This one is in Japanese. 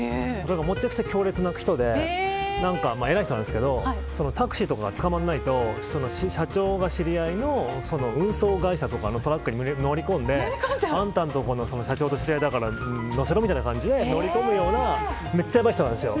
むちゃくちゃ強烈な方で偉い人なんですけどタクシーとかが捕まらないと社長が知り合いの運送会社のトラックに乗り込んであんたのところの社長と知り合いだから乗せろみたいな感じで乗り込むようなめっちゃやばい人なんですよ。